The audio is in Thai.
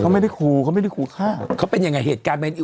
เขาไม่ได้ขู่เขาไม่ได้ขู่ฆ่าเขาเป็นยังไงเหตุการณ์